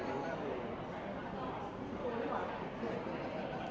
ก็คือความสู้